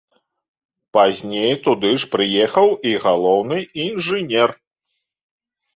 Пазней туды ж прыехаў і галоўны інжынер.